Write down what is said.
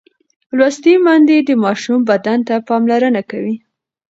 لوستې میندې د ماشوم بدن ته پاملرنه کوي.